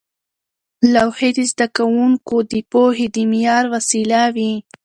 لوحې د زده کوونکو د پوهې د معیار وسیله وې.